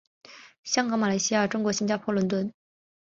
香港马来西亚中国新加坡伦敦